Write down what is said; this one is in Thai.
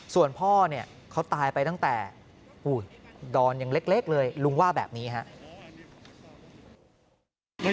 ส่วนพ่อเนี่ยเขาตายไปตั้งแต่ดอนยังเล็กเลยลุงว่าแบบนี้ครับ